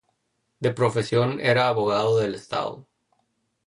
De profesión era abogado del Estado.